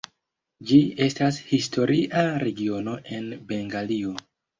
Ĝi estas historia regiono en Bengalio.